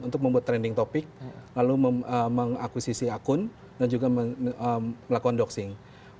untuk membuat trending topic lalu mengakuisisi akun dan juga melakukan doxing